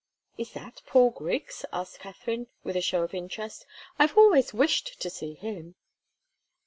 "Is that Paul Griggs?" asked Katharine, with a show of interest. "I've always wished to see him."